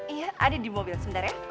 iya ada di mobil sebentar ya